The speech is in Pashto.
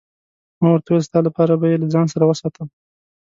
ما ورته وویل: ستا لپاره به يې له ځان سره وساتم.